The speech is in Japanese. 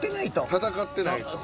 戦ってないと。